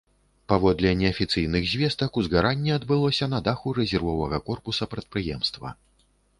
Паводле неафіцыйных звестак, узгаранне адбылося на даху рэзервовага корпуса прадпрыемства.